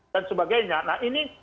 dan sebagainya nah ini